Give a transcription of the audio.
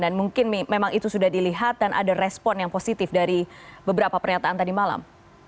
dan mungkin memang itu sudah dilihat dan ada respon yang positif dari beberapa pernyataan tadi malam